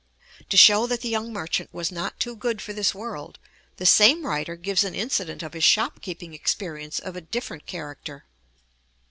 To show that the young merchant was not too good for this world, the same writer gives an incident of his shop keeping experience of a different character.